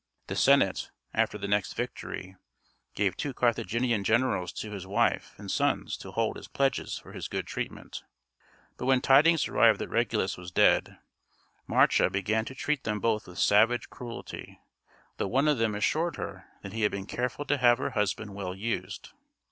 The Senate, after the next victory, gave two Carthaginian generals to his wife and sons to hold as pledges for his good treatment; but when tidings arrived that Regulus was dead, Marcia began to treat them both with savage cruelty, though one of them assured her that he had been careful to have her husband well used.